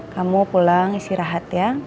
kamu pulang istirahat ya